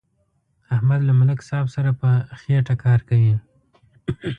احمد له ملک صاحب سره په خېټه کار کوي.